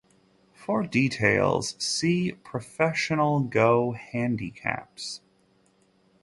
For details see professional go handicaps.